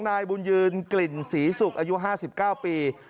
นายบุญยืนกลิ่นศรีศุกร์อายุ๕๙ปี